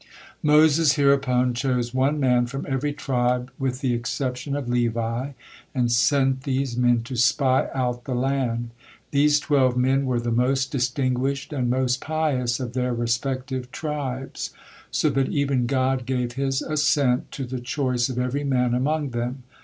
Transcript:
Moses hereupon chose one man from every tribe with the exception of Levi, and sent these men to spy out the land. These twelve men were the most distinguished and most pious of their respective tribes, so that even God gave His assent to the choice of every man among them.